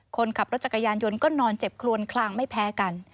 คนขับรถจักรยานยนต์ก็นอนเจ็บคลวนคลางไม่แพ้กัน